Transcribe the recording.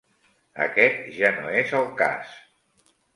Aquest ja no és el cas.